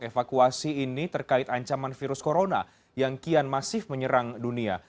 evakuasi ini terkait ancaman virus corona yang kian masif menyerang dunia